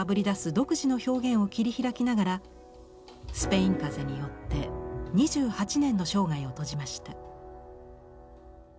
独自の表現を切り開きながらスペイン風邪によって２８年の生涯を閉じました。